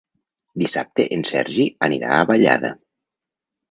Dissabte en Sergi anirà a Vallada.